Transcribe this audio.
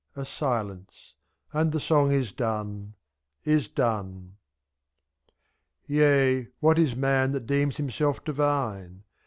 — A silence, and the song is done — is done. Yea! what is man that deems himself divine?